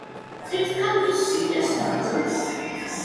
Its county seat is Townsend.